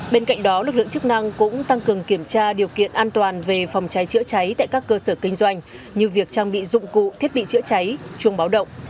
bên cạnh đó lực lượng chức năng cũng tăng cường kiểm tra điều kiện an toàn về phòng cháy chữa cháy tại các cơ sở kinh doanh như việc trang bị dụng cụ thiết bị chữa cháy chuông báo động